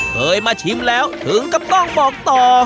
เคยมาชิมแล้วถึงกับต้องบอกต่อ